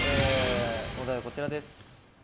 お題は、こちらです。